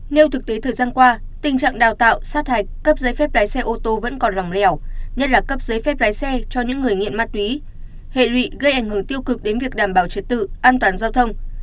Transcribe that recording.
nếu thực tế thời gian qua tình trạng đào tạo sát hạch cấp giấy phép lái xe ô tô vẫn còn lòng lẻo nhất là cấp giấy phép lái xe cho những người nghiện ma túy hệ lụy gây ảnh hưởng tiêu cực đến việc đảm bảo trật tự an toàn giao thông